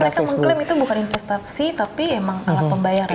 karena mereka mengklaim itu bukan investasi tapi memang alat pembayaran